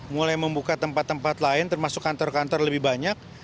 mulai membuka tempat tempat lain termasuk kantor kantor lebih banyak